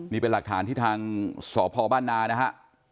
นี่เป็นหลักฐานที่ทางสพบ้านนานะฮะ